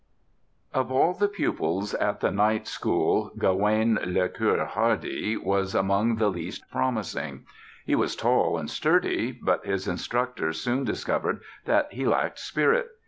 Of all the pupils at the knight school Gawaine le Cœur Hardy was among the least promising. He was tall and sturdy, but his instructors soon discovered that he lacked spirit.